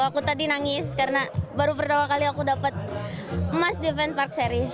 aku tadi nangis karena baru pertama kali aku dapat emas di van park series